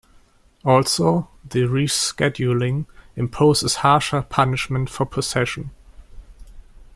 Also, the rescheduling imposes harsher punishment for possession.